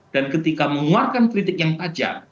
dan ketika mengeluarkan kritik yang tajam